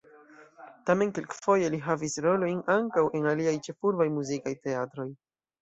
Tamen kelkfoje li havis rolojn ankaŭ en aliaj ĉefurbaj muzikaj teatroj.